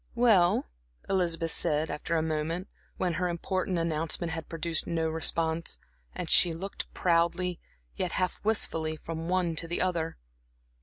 "Well," Elizabeth said, after a moment, when her important announcement had produced no response, and she looked proudly, yet half wistfully, from one to the other.